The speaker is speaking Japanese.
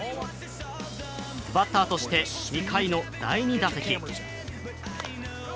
バッターとして２回の第２打席。